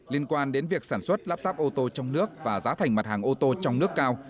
liên quan đến việc sản xuất lắp ráp ô tô trong nước và giá thành mặt hàng ô tô trong nước cao